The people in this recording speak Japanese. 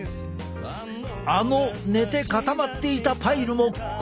あの寝て固まっていたパイルもこのとおり。